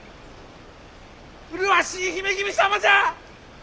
麗しい姫君様じゃ！